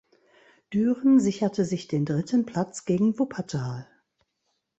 Düren sicherte sich den dritten Platz gegen Wuppertal.